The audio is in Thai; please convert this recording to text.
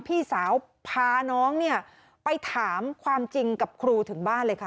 พี่สาวพาน้องเนี่ยไปถามความจริงกับครูถึงบ้านเลยค่ะ